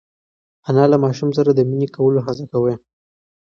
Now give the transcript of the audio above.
انا له ماشوم سره د مینې کولو هڅه کوي.